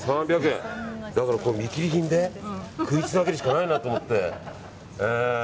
だから見切り品で食いつなぐしかないなと思って。